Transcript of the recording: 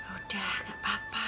udah gak apa apa